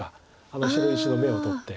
あの白石の眼を取って。